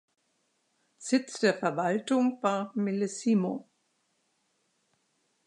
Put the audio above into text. Sitz der Verwaltung war Millesimo.